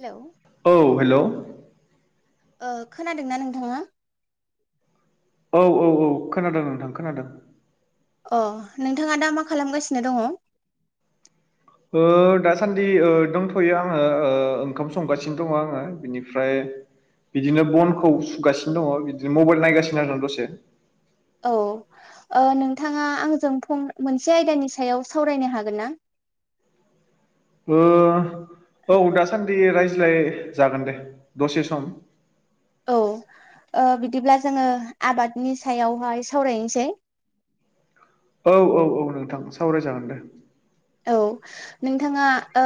हेल'। औ हेल'। ओ खोनादोंना नोंथाङा? औ औ औ खोनादों नोंथां खोनादों। अ नोंथाङा दा मा खालामगासिनो दङ? ओ दासान्दि ओ दंथ'यो आङो ओ ओंखाम संगासिनो दङ आङो बिनिफ्राय बिदिनो बनखौ सुगासिनो दङ बिदिनो मबाइल नायगासिनो आरोना दसे। औ ओ नोंथाङा आंजों फन मोनसे आयदानि सायाव सावरायनो हागोन ना? ओ औ दासान्दि रायज्लाय जागोन दे दसे सम औ ओ बिदिब्ला जोङो आबादनि सायावहाय सावरायनोसै। औ औ औ नोंथां सावरायजागोन दे। औ नोंथाङा ओ।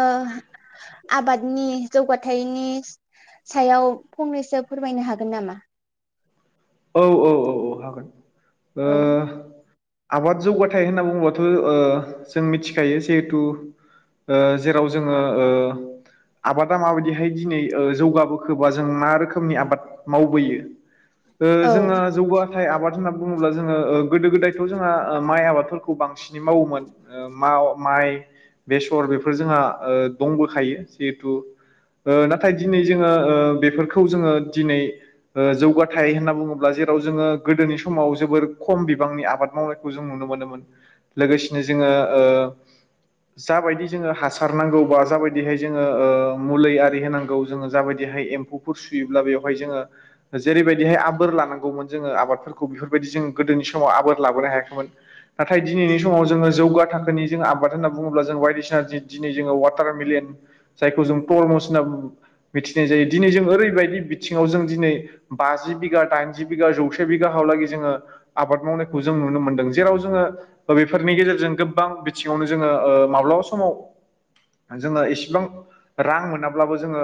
आबादनि जौगाथायाइनि सायाव फंनैसो फोरमायनो हागोन नामा? औ औ औ औ हागोन। ओ औ आबाद जौगाथायाइ होनना बुङोबाथ' जों मिथिखायो जिहेथु जेराव जोङो ओ आबादा माबायदिहाय दिनै जौगाबोखोबा जों मा रोखोमनि आबाद मावबोयो? औ जोंहा जौगा नाथाय आबाद होनना बुङोब्ला जोङो गोदो गोदायथ' जोंहा माइ आबादफोरखौ बांसिनै मावोमोन। माइ बेसर बेफोर जोंहा दंबोखायो जिहेथु नाथाय दिनै जोङो बेफोरखौ जोङो दिनै जौग नाथाय होनना बुङोब्ला जेराव जोङो गोदोनि समाव जोबोर खम बिबांनि आबाद मावनायखौ जों नुनो मोनोमोन। लोगोसेनो जोङो ओ जाबायदि जोङो हासार नांगौ बा जाबायदिहाय जोङो मुलि आरि होनांगौ जोङो जाबायदिहाय फुर सुयोब्ला बेवहाय जोङो जेरैबायदिहाय आबोर लानांगौमोन जोङो आबादफोरखौ बेफोरबायदि जों गोदोनि समाव आबोर लाबोनो हायाखैमोन। नाथाय दिनैनि समाव जोङो जौगा थाखोनि जों आबाद होनना बुङोब्ला जों बायदिसिना दिनै जोङो वाटार मिलिन जायखौ जों परमस होनना मिथिनाय जायो दिनै जों ओरैबायदि बिथिङाव जों दिनै बाजि बिघा दाइनजि बिघा जौसे बिघा हलागै जोङो आबाद मावनायखौ जों नुनो मोनदों जेराव जोङो बेफोरनि गेजेरजों गोबां बिथिङावनो जोङो माब्लाबा समाव जोंना इसेबां रां मोनाब्लाबो जोङो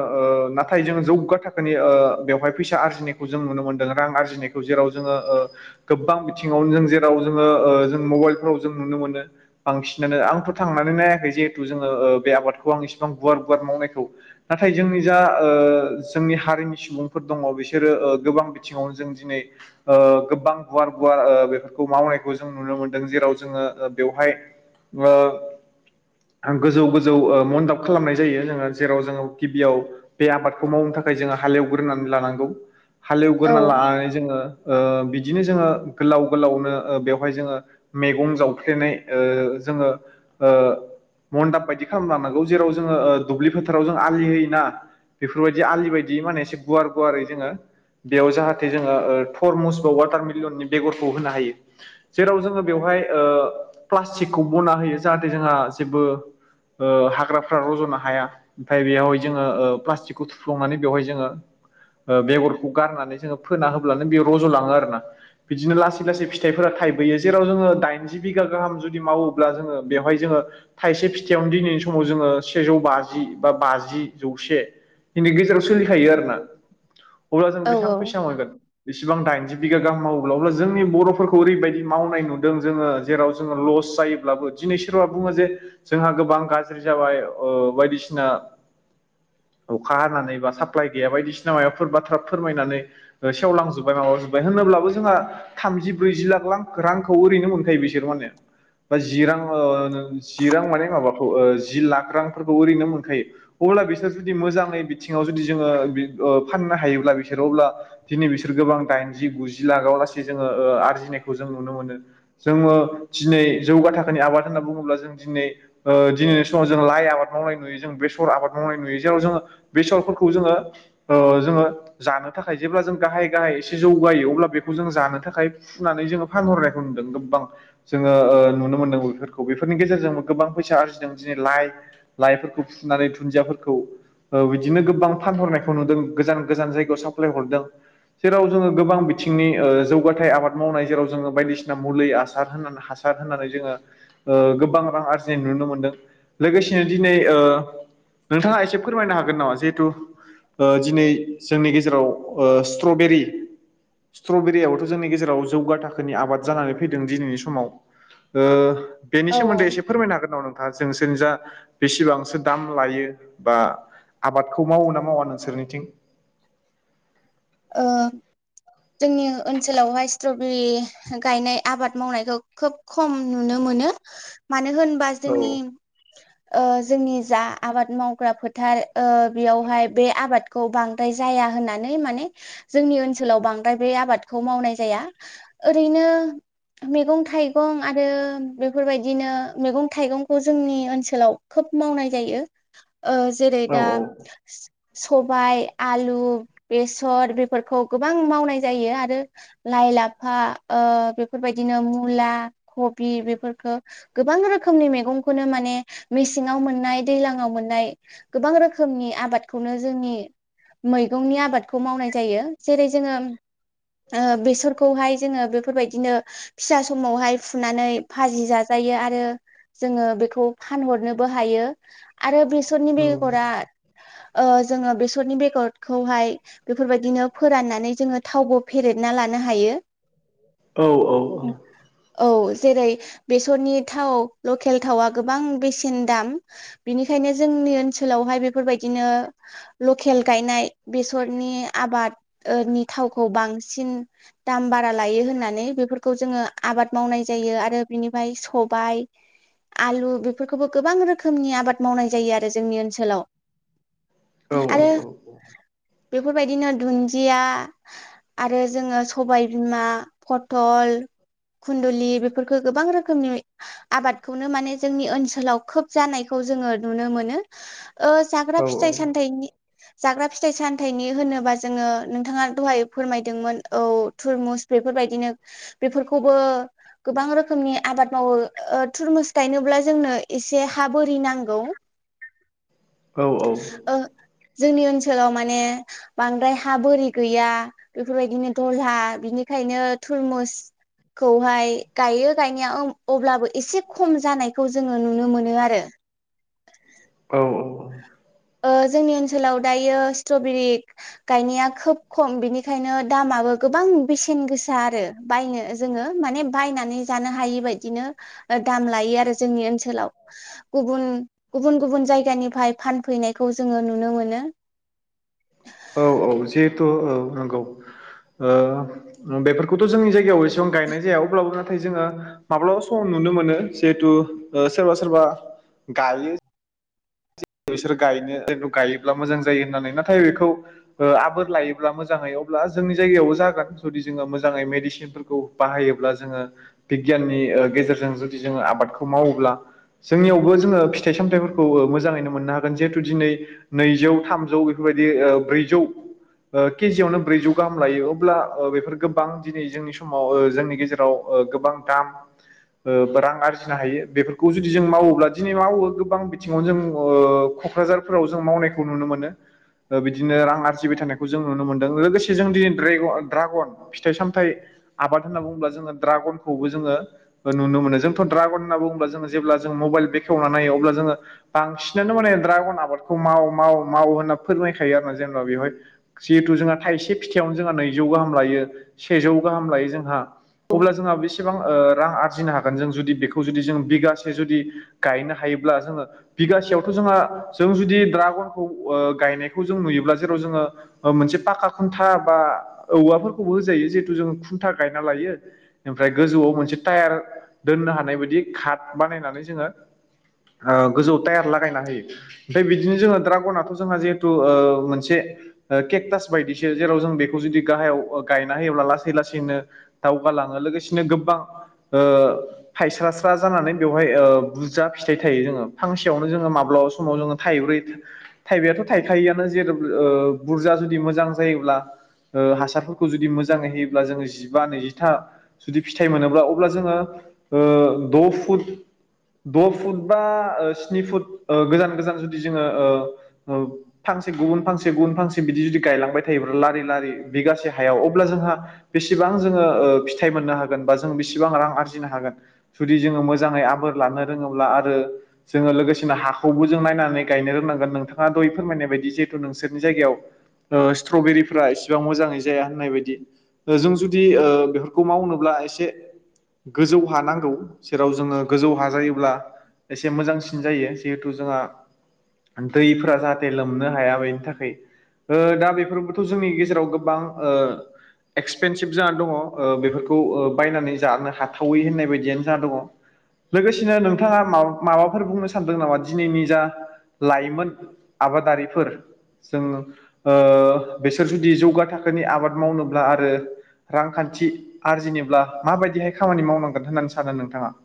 नाथाय जोङो जौगा थाखोनि बेवहाय फैसा आरजिनाय खौ जों नुनो मोनदों रां आरजिनायखौ जेराव जोङो ओ गोबां बिथिङावनो जों जेराव जोङो जों मबाइलफ्राव जों नुनो मोनो। बांसिनानो आंथ' थांनानै नायाखै जिहेथु जोङोह बे आबादखौ आं इसिबां गुवार गुवार मावनायखौ नाथाय जोंनि जा जोंनि हारिनि सुबुंफोर दङ बिस बिसोरो गोबां बिथिङावनो जों दिनै गोबां गुवार गुवार बेफोरखौ मावनायखौ जों नुनो मोनदों जेराव जोङो बेवहाय ओ गोजौ गोजौ मन्दाब खालामनाय जायो जोङो जेराव जोङो गिबियाव बे आबादखौ मावनो थाखाय जोङो हालेवग्रोनानै लानांगौ औ हालेवग्रोनानै लानानै जोङो बिदिनो जोङो गोलाव गोलावनो बेवहाय जोङो मैगं जावफ्लेनाय जोङो मण्डाप बायदि खालाम लांनांगौ जेराव जोङो ओ दुब्लि फोथाराव जों आलि होयोना बेफोरबायदि आलि बायदि माने एसे गुवार गुवारै जोङो बेयाव जाहाथे जोङो ओ थरमुस बा वाटारमिलननि बेगरखौ होनो हायो जेराव जोङो बेवहाय ओ प्लास्टिकखौ बना होयो जाहाथे जोंहा जेबो ओ हाग्राफ्रा रज'नो हाया ओमफाय बेवहाय जोङो ओ प्लास्टिकखौ थुफ्लंनानै बेवहाय जोङो ओ बेगरख खौ गारनानै जोङो फोना होब्लानो बेयो रज'लाङो आरोना बिदिनो लासै लासै फिथाइफोरा थाइबोयो जेराव जोङो दाइनजि बिगा गाहाम जुदि मावोब्ला जोङो बेवहाय जोङो थाइसे फिथाइयावनो दिनैनि समाव जोङो सेजौ बाजि बा बाजि जौसे इनि गेजेराव सोलिखायो आरो ना अब्ला जों औ बेसेबां फैसा मोनगोन बिसेबां दाइनजि बिगा गाहाम मावोब्ला अब्ला जोंनि बर'फोरखौ ओरैबायदि मावनाय नुदों जोङो जेराव जोङो लस जायो ब्लाबो दिनै सोरबा बुङो जे जोंहा गोबां गाज्रि जाबाय ओ बायदिसिना अखा हानानै बा साप्लााय गैया बायदिसिना मायबाफोर बाथ्रा फोरमायनानै सेवांजोब्बाय माबा जोब्बाय होनोब्लाबो जोंहा थामजि ब्रैजि लाख लां रांखौ ओरैनो मोनखायो बिसोर माने बा जि रां ओ नो जि रां माने माबाखौ जि लाख रांफोरखौ ओरैनो मोनखायो अब्ला बिसोर जुदि मोजाङै बिथिङाव जुदि जोङो ओ फाननो हायोब्ला बिसोरो अब्ला दिनै बिसोर गोबां दाइनजि गुजि लागाव लासै जोङो ओ आरजिनायखौ जों नुनो मोनो जोङो दिनै जौगा थाखोनि आबाद होनना बुङोब्ला जों दिनै ओ दिनैनि समाव जों लाइ आबाद मावनाय नुयो जों बेसर आबाद मावनाय नुयो जेराव जोङो बेसरफोरखौ जोङो ओ जोङो जानो थाखाय जेब्ला जों गाहाय गाहाय एसे जौगायो अब्ला बेखौ जों जानो थाखाय सुनानै जोङो फानहरनायखौ नुदों गोबां जोङो ओ नुनो मोनदों बेफोरखौ बेफोरनि गेजेरजोंबो गोबां फैसा आरजिदों दिनै लाइ लाइफोरखौ फुनानै दुन्दियाफोरखौ ओ बिदिनो गोबां फानहरनायखौ नुदों गोजान गोजान जायग राव साप्लाय हरदों जेराव जोङो गोबां बिथिंनि ओ जौगाथाय आबाद मावनाय जेराव जोङो बायदिसिना मुलि आसार होननानै हास सार होननानै जोङो ओ गोबां रां आरजिनाय नुनो मोनदों लोगोसेनो दिनै ओ नोंथाङा एसे फोरमायनो हागोन नामा जिहेतु ओ दिनै जोंनि गेजेराव ओ स्ट्रबेरि स्ट्रबेरियाबोथ' जोंनि गेजेराव जौगा थाखोनि आबाद जानानै फैदों दिनैनि समाव ओ बेनि औ सोमोन्दै एसे फोरमायनो हागोन नामा नों? दा जोंनोंसोरनि जा बेसेबांसो दाम लायो बा आबादखौ मावो ना मावा नोंसोरनिथिं? ओ जोंनि ओनसोलावहाय स्ट्रबेरि होगायनाय आबाद मावनायखौ खोब खम नुनो मोनो मानो होनबा औ जोंनि ओ जोंनि जा आबाद मावग्रा फोथार बेयावहाय बे आबाद खौ बांद्राय जाया होननानै माने जोंनि ओनसोलाव बांद्राय बे आबादखौ मावनाय जाया ओरैनो मैगं थाइगं आरो बेफोरबायदिनो मैगं थाइगंखौ जोंनि ओनसोलाव खोब मावनाय जायो ओ जेरै औ दा स-सबाइ आलु बेस सर बेफोरखौ गोबां मावनाय जायो आरो लाइ लाफा ओ बेफोरबायदिनो मुला कबि बेफोरफोरखो गोबां रोखोमनि मेगंखोनो माने मेसेङाव मोननाय दैलाङाव आव मोननाय गोबां रोखोमनि आबादखौनो जोंनि मैगंनि आबाद खौ मावनाय जायो जेरै जोङो ओ बेसरखौहाय जोङो बेफोरबायदिनो फिसा समावहाय फुनानै फाजि जाजायो आरो जोङो बेखौ फानहरनोबो हायो आरो बेस बेसरनि औ बेगरा ओ जोङो बेसरनि बेगरखौहाय बेफोरबायदिनो फोराननानै जोङो थावबो फेरेदना लानो हायो औ औ औ औ जेरै बेसरनि थाव लकेल थावआ गोबां बेसेन दाम बिनिखायनो जोंनि ओनसोलावहाय बेफोरबायदिनो लकेल गायनाय बेसर नि आबादनि थावखौ बांसिन दाम बारा लायो होननानै बेफोरखौ जोङो आबाद मावनाय जायो आरो बिनिफ्राय सबाइ आलु बेफोरखौबो गोबां रोखोमनि आबाद मावनाय जायो आरो जोंनि ओनसोलाव आरो बेफोरबायदिनो दुन्दिया आरो जोङो सबायबिमा फथल खुन्दुलि बेफोरखौ गोबां रोखोमनि आबादखौनो माने जोंनि ओनसोलाव खोब जानायखौ जोङो नुनो मोनो ओ जाग्रा फिथाइ सथायनि जाग्रा फिथाइ सान थायनि होनोबा जोङो नोंथाङा दहाय फोरमायदोंमोन औ थुरमुस बेफोरबायदिनो बेफोरखौबो गोबां रोखोमनि आबाद मावो थुरमुस गायनोब्ला जोंनो एसे हा बोरि नांगौ [unintelligible] औ औ ओ जोंनि ओनसोलाव माने बांद्राय हा बोरि गैया बेफोरबायदिनो दलहा बिनिखायनो थुरमुस खौहाय गायो गायनाया अब्लाबो एसे खम जानायखौ जोङो नुनो मोनो आरो औ ओ जोंनि ओनसोलाव दायो स्ट्रबेरि गायनाया खोब खम बिनिखायनो दामाबो गोबां बेसेन गोसा आरो बायनो जोङो माने बायनानै जानो हायि बादिनो दाम लायो आरो जोंनि ओनसोलाव गुबुन गुबुन गुबुन जायगानिफ्राय फान फैनायखौ जोङो नुनो मोनो औ औ जिहेथु औ नंगौ बेफोरखौथ' जोंनि जायगायाव एसेबां गायनाय जाया अब्लाबो नाथाय जोङो माब्लाबा सम नुनो मोनो जिहेथु सोरबा सोरबा गायो बिसोर गायनो गायोब्ला मोजां जायो होननानै नाथाय बेखौ आबोर लायोब्ला मोजाङै अब्ला जोंनि जायगायावबो जागोन जुदि जोङो मोजाङै मेदिसिन फोरखौ बाहायोब्ला जोङो बिगियाननि गेजेरजों जुदि जोङो आबादखौ मावोब्ला जोंनियावबो जोङो फिथाइ सामथायफोरखौ मोजाङैनो मोननो हागोन जिहेतु दिनै नैजौ थामजौ बेफोरबायदि ब्रैजौ ओ केजियावनो ब्रैजौ गाहाम लायो अब्ला बेफोर बां दिनै जोंनि समाव जोंनि गेजेराव ओ गोबां दाम रां आरजिनो हायो बेफोरखौ जुदि जों मावोब्ला दिनै मावो गोबां बिथिङाव जों ओ क'क्राझारफोराव जों मावनायखौ नुनो मोनो ओ बिदिनो रां आरजिबाय थानायखौ जों नुनो मोन्दों लोगोसे जों दिनैफ्राय ड्रागन फिथाइ सामथाइ आबाद होनना बुङोब्ला जोङो ड्रागनखौबो जोङो नुनो मोनो जोंथ' ड्रागन होनना बुंब्ला जोङो जेब्ला जो मबाइल बेखेवनानानैनायो अब्ला जोङो बांसिनानो माने ड्रागन आबादखौ माव माव मावो होनना फोरमायखायो आरो ना जेनेबा बेवहाय जिहेथु जोंहा थाइसे फिथाइयावनो जोंहा नैजौ गाहाम लायो सेजौ गाहाम लायो जोंहा अब्ला जोंहा बेसेबां रां आरजिनो हाग गान जों जुदि बेखौ जुदि जों बिगासे जुदि गायनो हायोब्ला जोङो बिगासेयावथ' जोंहा जों जुदि दड्रागनखौ गायनायखौ जों नुयोब्ला जेराव जोङो मोनसे पाखा खुन्था बा औवाफोरखौबो होजायो जिहेतु जोंङो खुन्था गायना लायो ओमफ्राय गोजौआव मोनसे टायार दोननो हानाय बायदि घाट बानायनानै जोङो ओ गोजौआव टायार लागायना होयो। ओमफ्राय बिदिनो जोंङा द्राग अनाथ' जोंहा जिहेतु मोनसे केकटास बायदिसो जेराव जों बेखौ जुदि गाहायाव गायना होयोब्ला लासै लासैनो दावगालाङो लोगोसेनो गोबां ओ फायस्रा स्रा जानानै बेवहाय बुरजा फिथाइ थायो जोंङो फांसेयावनो जोंङो माब्लाबा समाव जोंङो थाइब्रै थाइबायाथ' थाइखायो आनो जेर बुरजा जुदि मोजां जायोब्ला। ओ हासारफोरखौ जुदि मोजाङै होयोब्ला जोंङो जिबा नैजिथा जुदि फिथाइ मोनोब्ला अब्ला जोंङो द' फुट द' फुट बा स्नि फुट गोजान गोजान जुदि जोंङो फांसे गुबुन फांसे गुबुन फांसे बिदि जुदि गायलांबाय थायोब्ला लारि लारि बिगासे हायाव अब्ला जोंहा बेसेबां जोंङो फिथाइ मोननो हागोन बा जों बेसेबां रां आरजिनो हागोन। जुदि जोंङो मोजाङै आबोर लानो रोङोब्ला आरो जोङो लोगोसेनो हाखौबो जों नायनानै गायनो रोंनांगोन नोंथाङा दहयै फोरमायनाय बायदि जिहेथु नोंसोरनि जायगायाव [inaudible] ओ स्ट्र'बेरिफ्रा इसेबां मोजाङै जाया होननाय बायदि जों जुदि बेफोरखौ मावनोब्ला एसे गोजौ हानांगौ जेराव जोंङो गोजौ हा जायोब्ला एसे मोजांसिन जायो जिहेथु जोंहा दैफोरा जाहाथे लोमनो हाया बेनि थाखाय ओ दा बेफोरबोथ' जोंनि गेजेराव गोबां ओ एक्सपेनसिभ जा दङ बेफोरखौ बायनानै जानो हाथावै होननाय बायदियानो जाना‌ दङ। लोगोसेनो नोंथाङा मा माबाफोर बुंनो सानदों नामा दिनैनि जा लाइमोन आबादारिफोर जों ओ बिसोर जुदि जौगा थाखोनि आबाद मावनोब्ला आरो रांखान्थि आरजिनोब्ला माबायदिहाय खामानि मावनांगोन होननानै सानो नोंथाङा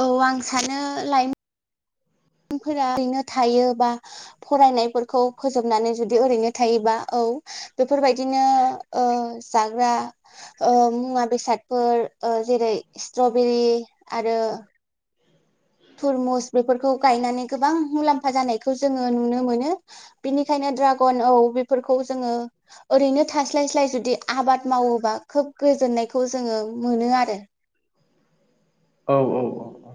औ आं सानो लाय फोरा ओरैनो थायो बा फरायनायफोरखौ फोजोबनानै जुदि ओरैनो थायोबा औ बेफोरबायदिनो जाग्रा ओ मुवा बेसादफोर ओ जेरै स्ट्रबेरि आरो तुरमुस बेफोरखौ गायनानै गोबां मुलाम्फा जानायखौ जोंङो नुनो मोनो। बिनिखायनो दड्रागन औ बेफोरखौ जोंङो ओरैनो थास्लाय स्लाय जुदि आबाद मावोबा खोब गोजोननायखौ जोंङो मोनो आरो। औ औ औ औ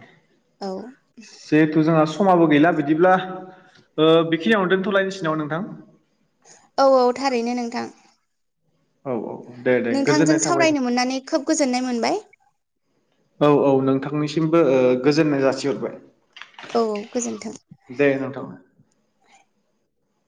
औ जिहेथु जोंहा समाबो गैला बिदिब्ला ओ बेखिनियाव दोनथ'लायनिसै नामा नोंथां। औ औ थारैनो नोंथां औ औ दे दे नोंथांजों गोजोननाय थाबाय सावरायनो मोननानै खोब गोजोननाय मोनबाय। औ औ नोंथांनिसिमबो गोजोननाय जासिहरबाय औ औ गोजोन्थों दे नोंथां